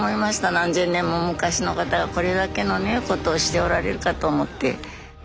何十年も昔の方がこれだけのねことをしておられるかと思って。